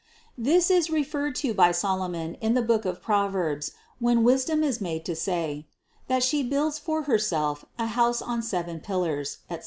This is referred to by Solomon in the book of Proverbs, when Wisdom is made to say : that She builds for Herself a house on seven pillars, etc.